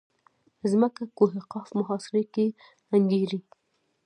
ځمکه کوه قاف محاصره کې انګېري.